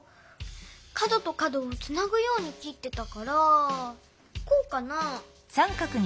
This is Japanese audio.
かどとかどをつなぐようにきってたからこうかな？